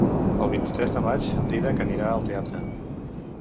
El vint-i-tres de maig en Dídac anirà al teatre.